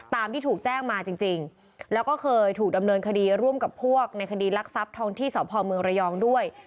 ที่ถูกแจ้งมาจริงแล้วก็เคยถูกดำเนินคดีร่วมกับพวกในคดีรักทรัพย์ทองที่สพเมืองระยองด้วย